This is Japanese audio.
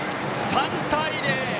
３対０！